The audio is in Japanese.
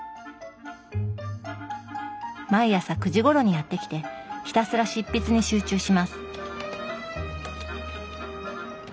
毎朝９時ごろにやって来てひたすら執筆に集中します。